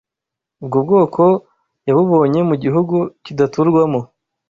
Ubwo bwoko yabubonye mu gihugu kidaturwamo